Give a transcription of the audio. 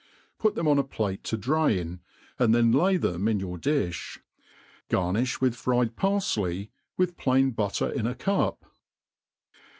Put them on a plate to drain, and then lay them in your difh. Garnifh with fried parfley, with plain butter in a cup.